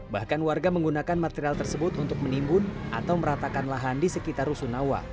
bahkan warga menggunakan material tersebut untuk menimbun atau meratakan lahan di sekitar rusunawa